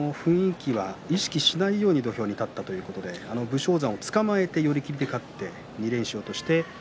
雰囲気は意識しないように土俵に立ったということで武将山をつかまえて寄り切りで勝ちました。